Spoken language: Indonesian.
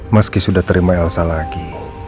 meski sudah terima elsa lagi